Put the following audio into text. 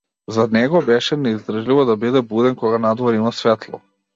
За него беше неиздржливо да биде буден кога надвор има светло.